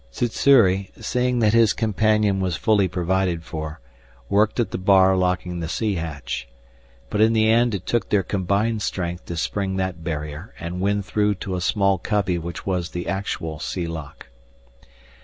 Sssuri, seeing that his companion was fully provided for, worked at the bar locking the sea hatch. But in the end it took their combined strength to spring that barrier and win through to a small cubby which was the actual sea lock.